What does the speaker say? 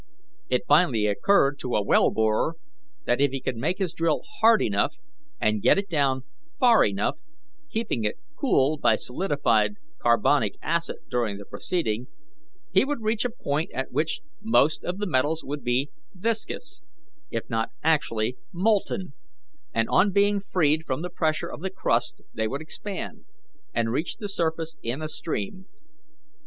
It finally occurred to a well borer that if he could make his drill hard enough and get it down far enough, keeping it cool by solidified carbonic acid during the proceeding, he would reach a point at which most of the metals would be viscous, if not actually molten, and on being freed from the pressure of the crust they would expand, and reach the surface in a stream.